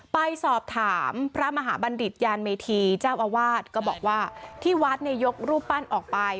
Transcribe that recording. ไปสอบถามพระมหาบัณฑิตยานเมธีเจ้าอาวาสก็บอกว่าที่วัดเนี่ยยกรูปปั้นออกไป